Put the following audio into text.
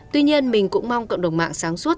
tuy nhiên mình cũng mong cộng đồng mạng sáng suốt